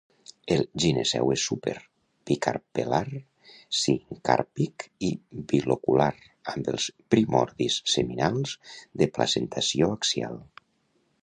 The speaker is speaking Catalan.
El gineceu és súper, bicarpel·lar, sincàrpic i bilocular amb els primordis seminals de placentació axial.